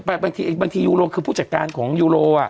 บางทีอียูโรพูดจัดการของอียูโร